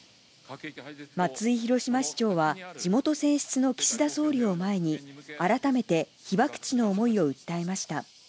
松井広島市長は、地元選出の岸田総理を前に、改めて被爆地の思いを訴えました。